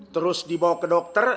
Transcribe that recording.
terus dibawa ke dokter